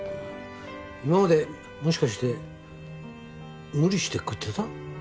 今までもしかして無理して食ってた？